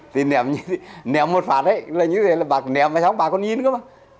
thì ném như thế ném một phản ấy là như thế là ném mà chóng bà con nhìn cơ mà